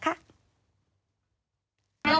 เรามาถามทางว่าจะไปออสแอร์อยู่ไหน